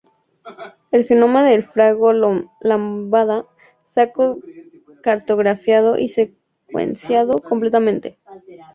El genoma del fago lambda se ha cartografiado y secuenciado completamente.